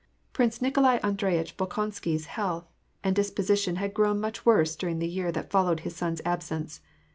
Prince Nikolai Andreyitch Bolkonsky's health and dis position grew much worse during the year that followed his son's absence.